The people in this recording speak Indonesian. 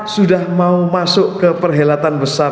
sudah mau masuk ke perhelatan besar